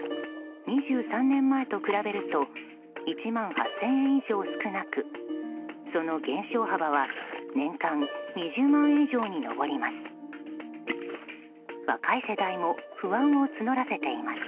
２３年前と比べると１万８０００円以上少なくその減少幅は年間２０万円以上に上ります。